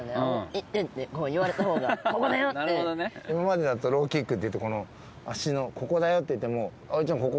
今までだとローキックっていうと「脚のここだよ」って言っても愛央衣ちゃん